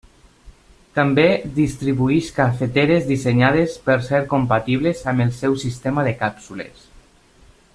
També distribueix cafeteres dissenyades per ser compatibles amb el seu sistema de càpsules.